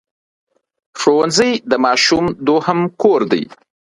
ښوونځی د ماشوم دوهم کور دی